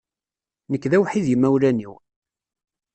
Nekk d awḥid n imawlan-iw.